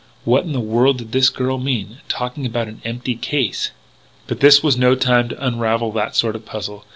What in the world did this girl mean, talking about an empty case? But this was no time to unravel that sort of puzzle.